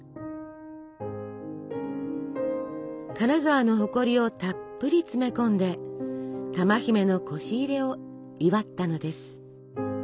金沢の誇りをたっぷり詰め込んで珠姫のこし入れを祝ったのです。